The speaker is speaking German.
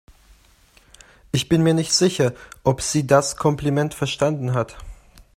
Ich bin mir nicht sicher, ob sie das Kompliment verstanden hat.